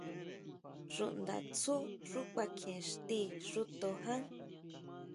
Xúʼndatsú xú kuakjien ixti xúto ján.